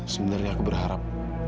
sebenarnya aku berharap